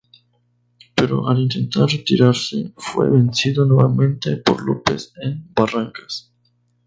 Pero, al intentar retirarse, fue vencido nuevamente por López en Barrancas.